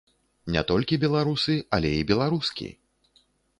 Не толькі беларусы, але і беларускі!